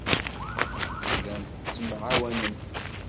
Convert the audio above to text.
Tellamt tettemɛawanemt.